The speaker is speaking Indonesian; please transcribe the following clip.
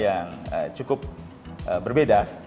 yang cukup berbeda